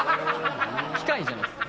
機械じゃないですか。